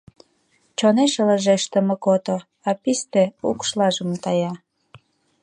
Чонеш ылыжеш тымык ото, А писте укшлажым тая.